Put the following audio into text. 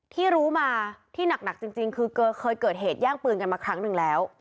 ที่รู้มาที่หนักจริงคือเคยเกิดเหตุแย่งปืนกันมาครั้งหนึ่งแล้ว